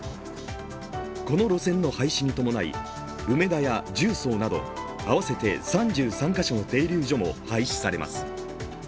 この路線の廃止に伴い、梅田や十三など、合わせて３３か所の停留所も廃止されます。